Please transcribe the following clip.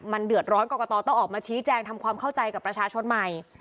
มันเดือดร้อนกรกตต้องออกมาชี้แจงทำความเข้าใจกับประชาชนใหม่